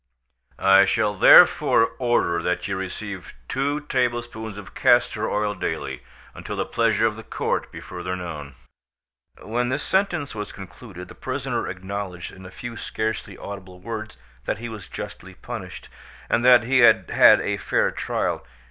I shall therefore order that you receive two tablespoonfuls of castor oil daily, until the pleasure of the court be further known." When the sentence was concluded the prisoner acknowledged in a few scarcely audible words that he was justly punished, and that he had had a fair trial.